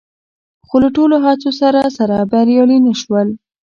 خو له ټولو هڅو سره سره بریالي نه شول